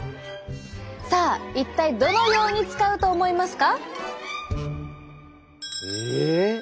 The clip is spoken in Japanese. さあ一体どのように使うと思いますか？